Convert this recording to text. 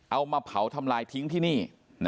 เอามาเผาทำลายทิ้งที่นี่